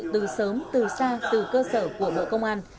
từ sớm từ xa từ cơ sở của bộ công an